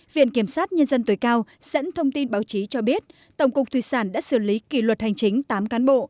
viện kiểm sát nhân dân tối cao dẫn thông tin báo chí cho biết tổng cục thủy sản đã xử lý kỷ luật hành chính tám cán bộ